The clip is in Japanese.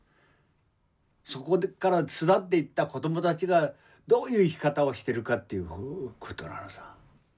そこから巣立っていった子どもたちがどういう生き方をしてるかということなのさ。